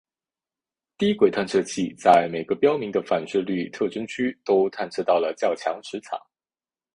低轨探测器在每个标明的反照率特征区都探测到了较强磁场。